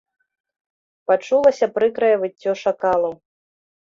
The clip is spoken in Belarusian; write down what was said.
Пачулася прыкрае выццё шакалаў.